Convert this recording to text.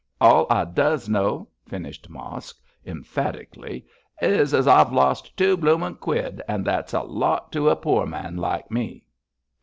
All I does know,' finished Mosk, emphatically, 'is as I've lost two bloomin' quid, an' that's a lot to a poor man like me.'